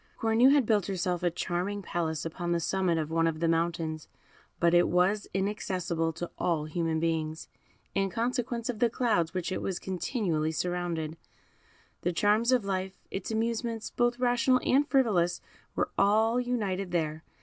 Cornue had built herself a charming palace upon the summit of one of the mountains, but it was inaccessible to all human beings, in consequence of the clouds with which it was continually surrounded. The charms of life, its amusements, both rational and frivolous, were all united there.